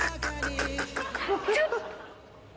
ちょっと。